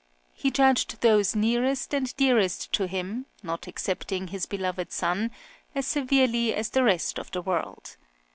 He judged those nearest and dearest to him, not excepting his beloved son, as severely as the rest of the world.